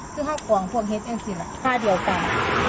ซึ่งก็เขากล่องพวกเฮดเอ็นซีนแหละค่ะเดี๋ยวกัน